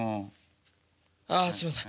ああすいません。